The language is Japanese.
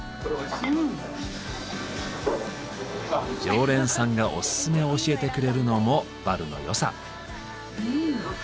常連さんがオススメを教えてくれるのもバルの良さ。